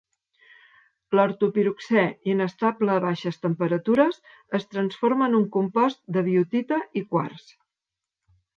L'ortopiroxè, inestable a baixes temperatures, es transforma en un compost de biotita i quars.